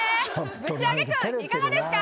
ぶちあげクンいかがですか？